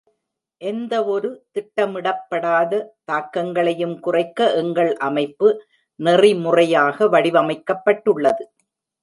எந்தவொரு திட்டமிடப்படாத தாக்கங்களையும் குறைக்க எங்கள் அமைப்பு நெறிமுறையாக வடிவமைக்கப்பட்டுள்ளது.